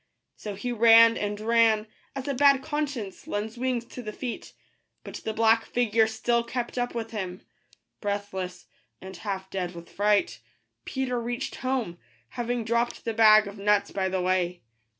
So he ran and ran, as a bad conscience lends wings to the feet ; but the black figure still kept up with him. Breathless, and half dead with fright, Peter reached home, having dropped the bag of nuts by the way.